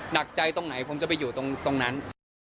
หนักใจตรงไหนผมจะไปอยู่ตรงนั้น